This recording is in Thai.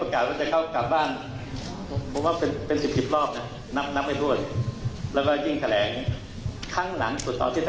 คุณชื่นวิทย์มาเรียกข้อสงสัย